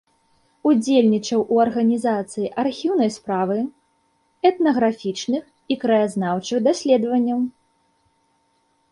Удзельнічаў у арганізацыі архіўнай справы, этнаграфічных і краязнаўчых даследаванняў.